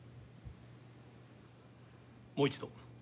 もう一度。